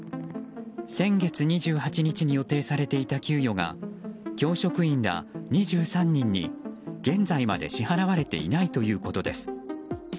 先月２８日に予定されていた給与が教職員ら２３人に現在まで支払われていないということです。